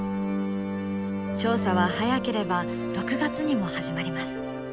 調査は早ければ６月にも始まります。